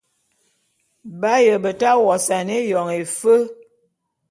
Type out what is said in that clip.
B'aye beta wosane éyon éfe.